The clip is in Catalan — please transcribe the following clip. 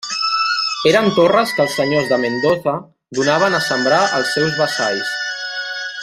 Eren terres que els senyors de Mendoza donaven a sembrar als seus vassalls.